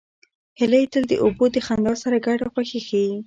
هیلۍ تل د اوبو د خندا سره ګډه خوښي ښيي